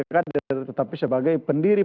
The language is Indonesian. kadir tetapi sebagai pendiri